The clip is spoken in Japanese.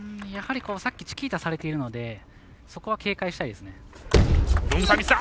さっきチキータされているのでそこは警戒したいですね。